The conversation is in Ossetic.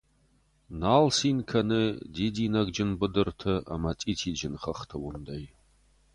Нал цин кӕны дидинӕгджын быдырты ӕмӕ цъитиджын хӕхты уындӕй.